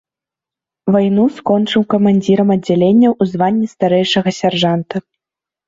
Вайну скончыў камандзірам аддзялення, у званні старэйшага сяржанта.